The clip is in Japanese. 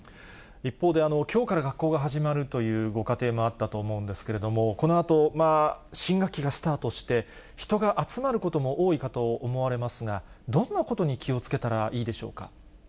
一方で、きょうから学校が始まるというご家庭もあったと思うんですけれども、このあと、新学期がスタートして、人が集まることも多いかと思われますが、どんなことに気をつけたらいいでしょうか。